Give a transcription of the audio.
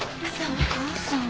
お母さん。